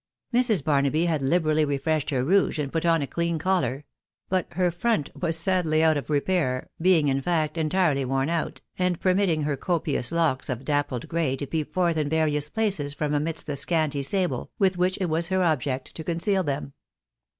Mrs. Barnaby had liberally refreshed her rouge, and put on a clean collar — but her "front" was sadly out of repair, being, in fact, entirely worn out, and permitting her copious locks of dappled gray to peep forth in various places from amidst the scanty sable, with which it was her object to conceal them.